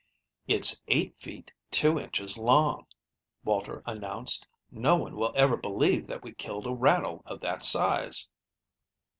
"It's eight feet two inches long," Walter announced. "No one will ever believe that we killed a rattle of that size."